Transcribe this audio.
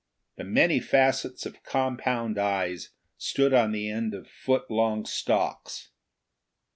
The many facets of compound eyes stood on the end of foot long stalks.